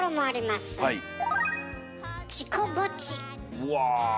うわ。